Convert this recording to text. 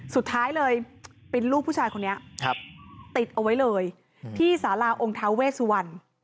สุดท้ายเลยเป็นลูกผู้ชายคนนี้ติดเอาไว้เลยที่สาราองค์ท้าเวสวัน